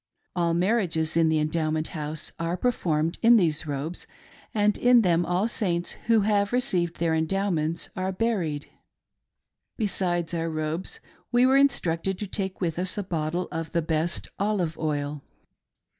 All marriages in the Endowment House are performed in these robes, and in them all Saints who have received their Endowments are buried. Besides our robes we were instructed to take with us a bottle of the best olive oil.